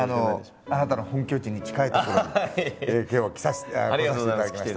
あなたの本拠地に近い所に今日は来させていただきまして。